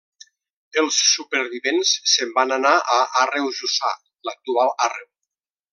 Els supervivents se'n van anar a Àrreu Jussà, l'actual Àrreu.